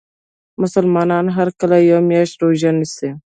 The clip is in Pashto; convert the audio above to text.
مسلمانان هر کال یوه میاشت روژه نیسي .